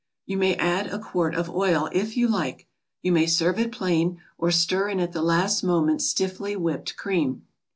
You may add a quart of oil, if you like; you may serve it plain, or stir in at the last moment stiffly whipped cream.